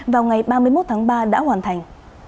vào ngày ba mươi một tháng ba đã hoàn thành